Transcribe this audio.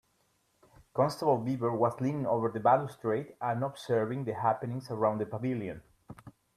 Constable Beaver was leaning over the balustrade and observing the happenings around the pavilion.